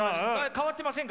変わってませんか？